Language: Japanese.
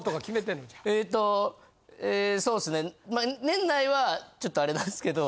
年内はちょっとアレなんですけど。